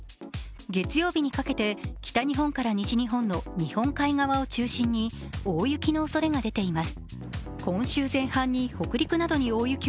月曜日にかけて北日本から西日本の日本海側を中心に大雪のおそれが出ています。